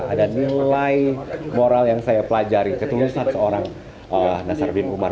ada nilai moral yang saya pelajari ketulusan seorang nasar bin umar